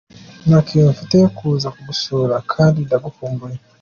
Nta tike mfite yo kuza kugusura kandi ndagukumbuye.